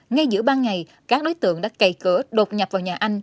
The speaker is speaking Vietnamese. ngay giữa ban ngày các đối tượng đã cày cửa đột nhập vào nhà anh